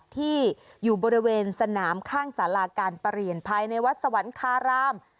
ที่อยู่บริเวณสนามข้างสาราการประเรียนภายในวัดสวรรคาราม